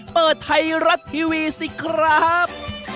เปิดไทยรัฐทีวีสิครับ